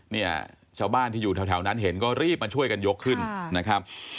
เนี่ยชาวบ้านที่อยู่แถวนั้นเห็นก็รีบมาช่วยกันยกขึ้นนะครับ